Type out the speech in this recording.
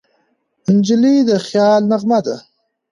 نجلۍ د خیال نغمه ده.